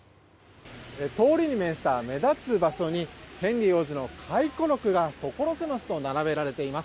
通りに面した目立つ場所にヘンリー王子の回顧録が所狭しと並べられています。